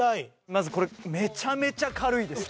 まず、これめちゃめちゃ軽いです。